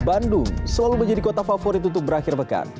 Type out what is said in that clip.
bandung selalu menjadi kota favorit untuk berakhir pekan